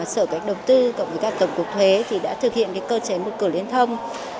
sở cách đồng tư cộng với các tổng cục thuế đã thực hiện cơ chế một cửa liên thông